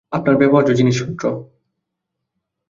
আপনার ব্যবহার্য জিনিসপত্র।